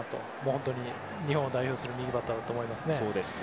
本当に日本を代表する右バッターだと思いますね。